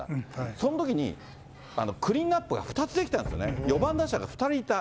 そのときに、クリーンナップが２つできたんですよね、４番打者が２人いた。